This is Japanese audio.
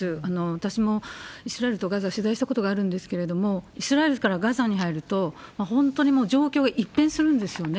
私もイスラエルとガザを取材したことがあるんですけれども、イスラエルからガザに入ると、本当にもう、状況が一変するんですよね。